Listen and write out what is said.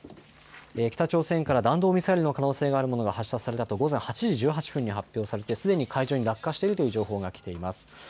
北朝鮮から弾道ミサイルの可能性があるものが発射されたと午前８時１８分に発表されてすでに海上に落下しているという情報が来ています。